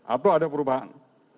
atau ada perubahan